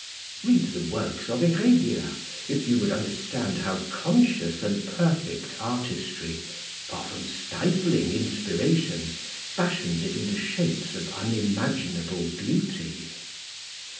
Read the works of Heredia if you would understand how conscious and perfect artistry, far from stifling inspiration, fashions it into shapes of unimaginable beauty.